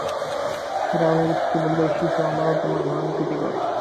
ফিরআউনের স্ত্রী বলল, এই শিশু আমার ও তোমার নয়ন প্রীতিকর।